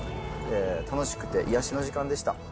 楽しくて癒やしの時間でした。